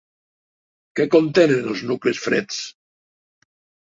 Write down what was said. Què contenen els nuclis freds?